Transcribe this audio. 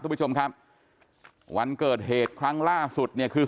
ทุกผู้ชมครับวันเกิดเหตุครั้งล่าสุดเนี่ยคือ